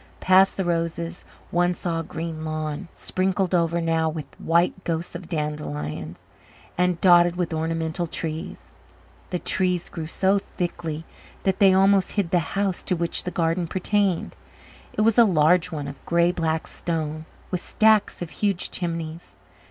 Past the roses one saw a green lawn, sprinkled over now with the white ghosts of dandelions, and dotted with ornamental trees. The trees grew so thickly that they almost hid the house to which the garden pertained. It was a large one of grey black stone, with stacks of huge chimneys.